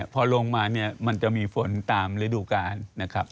พอลงมาเนี่ยมันจะมีฝนตามฤดูกาลนะครับ